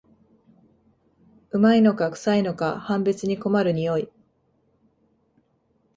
旨いのかくさいのか判別に困る匂い